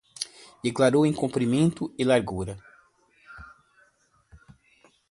Declarou-o em comprimento e largura